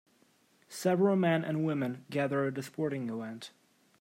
Several men and women gather at a sporting event.